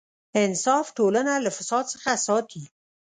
انصاف ټولنه له فساد څخه ساتي.